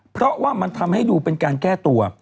เพราะว่ามันทำให้ดูเป็นการแก้ตัว